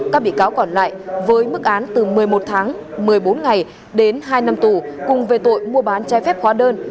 các bị cáo còn lại với mức án từ một mươi một tháng một mươi bốn ngày đến hai năm tù cùng về tội mua bán trái phép hóa đơn